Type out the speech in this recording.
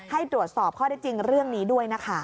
ให้ตรวจสอบข้อได้จริงเรื่องนี้ด้วยนะคะ